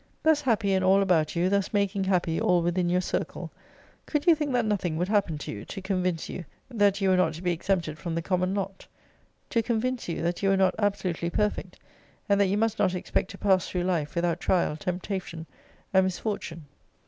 Thus happy in all about you, thus making happy all within your circle, could you think that nothing would happen to you, to convince you that you were not to be exempted from the common lot? To convinced you, that you were not absolutely perfect; and that you must not expect to pass through life without trial, temptation, and misfortune?